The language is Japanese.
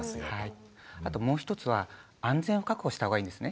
あともう一つは安全を確保した方がいいんですね。